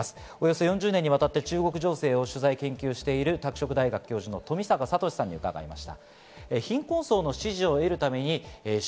およそ４０年にわたって中国情勢を取材・研究している拓殖大学教授の富坂聰さんに聞きました。